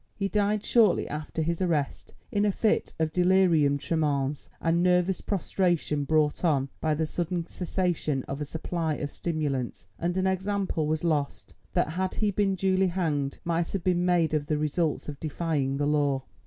He died shortly after his arrest in a fit of delirium tremens and nervous prostration brought on by the sudden cessation of a supply of stimulants, and an example was lost, that, had he been duly hanged, might have been made of the results of defying the law.